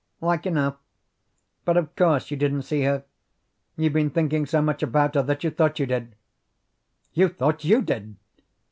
"Like enough; but of course you didn't see her. You've been thinking so much about her that you thought you did." "You thought YOU did."